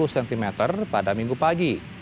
sepuluh cm pada minggu pagi